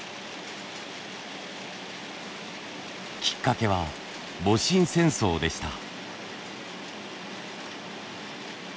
きっかけは戊辰戦争でした。